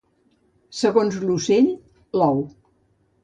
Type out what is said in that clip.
Segons l'ocell, l'ou.